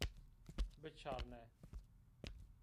Biçarne!